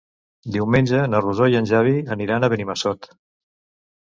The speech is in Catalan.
Diumenge na Rosó i en Xavi aniran a Benimassot.